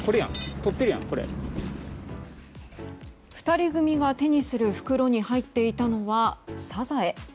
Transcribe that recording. ２人組が手にする袋に入っていたのはサザエ。